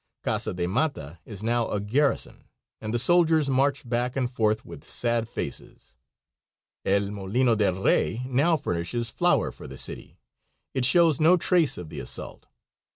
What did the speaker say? Casa de Mata is now a garrison, and the soldiers march back and forth with sad faces. El Molino del Rey now furnishes flour for the city. It shows no trace of the assault.